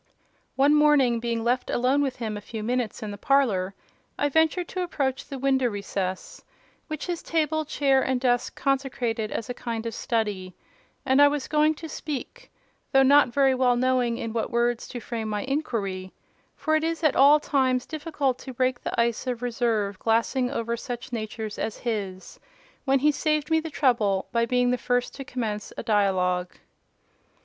One morning, being left alone with him a few minutes in the parlour, I ventured to approach the window recess—which his table, chair, and desk consecrated as a kind of study—and I was going to speak, though not very well knowing in what words to frame my inquiry—for it is at all times difficult to break the ice of reserve glassing over such natures as his—when he saved me the trouble by being the first to commence a dialogue.